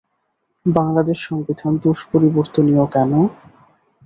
বাংলাদেশ সংবিধান দুষ্পরিবর্তনীয় কেন?